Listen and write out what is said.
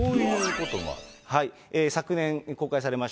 昨年、公開されました